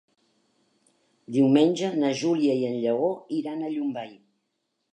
Diumenge na Júlia i en Lleó iran a Llombai.